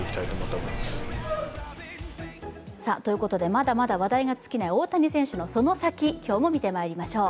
まだまだ話題が尽きない大谷選手のそのサキ、今日も見てまいりましょう。